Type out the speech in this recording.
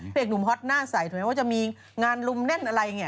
เอกหนุ่มฮอตหน้าใสถึงแม้ว่าจะมีงานลุมแน่นอะไรเนี่ย